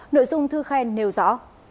nội dung thư khen nêu rõ